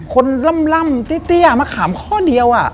คนล่ำเตี้ยมะขามข้อเดียว